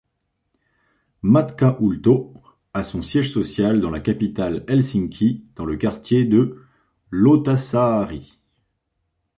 Matkahuolto a son siège social dans la capitale Helsinki, dans le quartier de Lauttasaari.